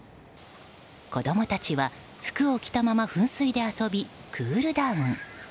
子供たちは服を着たまま噴水で遊び、クールダウン。